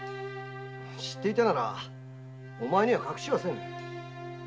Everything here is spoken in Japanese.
知っていたならお前には隠しはせぬ。